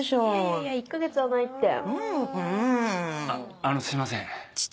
あのすいません。